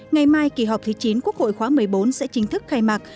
ngày mai kỳ họp thứ chín quốc hội khóa một mươi bốn sẽ chính thức khai mạc